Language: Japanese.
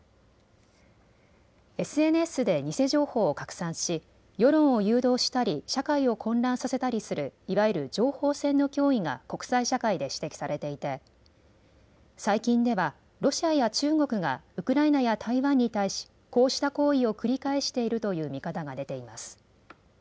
ＳＮＳで偽情報を拡散し世論を誘導したり社会を混乱させたりするいわゆる情報戦の脅威が国際社会で指摘されていて、最近ではロシアや中国がウクライナや台湾に対しこうした行為を繰り返しているという見方が出ています。